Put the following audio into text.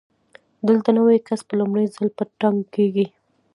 دلته نوی کس په لومړي ځل په تنګ کېږي.